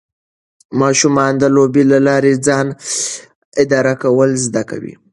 ماشومان د لوبو له لارې ځان اداره کول زده کوي.